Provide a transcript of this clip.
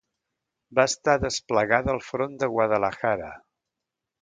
Va estar desplegada al front de Guadalajara.